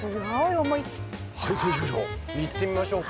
行ってみましょうか。